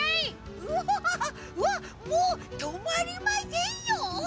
わわっもうとまりませんよ！